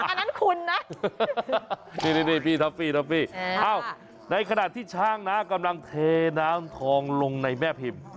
อันนั้นคุณนะนี่พี่ท็อฟฟี่ท็อฟฟี่ในขณะที่ช้างนะกำลังเทน้ำทองลงในแม่พิมพ์